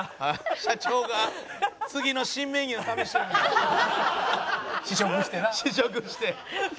「社長が次の新メニュー試してる」「試食してな」